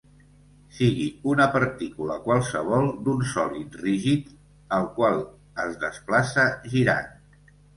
Sigui una partícula qualsevol d'un sòlid rígid el qual es desplaça girant.